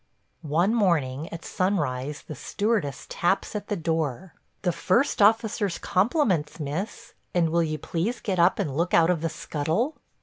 One morning at sunrise the stewardess taps at the door: "The first officer's compliments, miss, and will you please get up and look out of the scuttle."